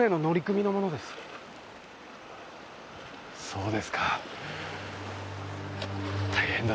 そうですか。